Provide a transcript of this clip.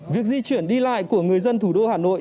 việc di chuyển đi lại của người dân thủ đô hà nội